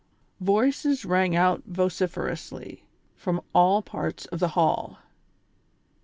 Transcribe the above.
Voices rang out vociferously from all parts of the hall : "Hear!